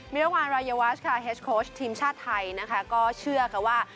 ระหว่างรายวัชค่ะเฮสโค้ชทีมชาติไทยนะคะก็เชื่อค่ะว่า